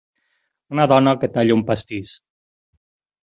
Una dona que talla un pastís.